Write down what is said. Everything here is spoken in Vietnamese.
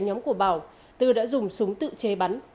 nhóm của bảo tư đã dùng súng tự chế bắn